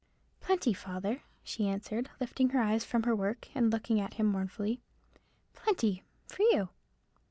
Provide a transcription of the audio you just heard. "Plenty, father," she answered, lifting her eyes from her work, and looking at him mournfully; "plenty—for you."